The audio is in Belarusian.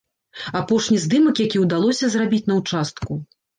Апошні здымак, які удалося зрабіць на участку.